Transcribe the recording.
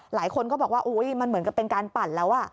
หลายคนก็บอกว่าอุ๊ยมันเหมือนกับเป็นการปั่นแล้ว